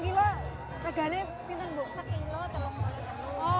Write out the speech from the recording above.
sekilo berapa ini harganya bu